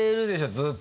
ずっと。